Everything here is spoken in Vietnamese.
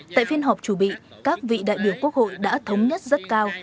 tại phiên họp chủ bị các vị đại biểu quốc hội đã thống nhất rất cao